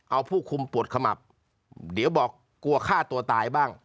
เอาผู้คุมปวดขมับเดี๋ยวบอกกลัวฆ่าตัวตายบ้าง